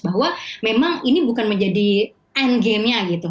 bahwa memang ini bukan menjadi end game nya gitu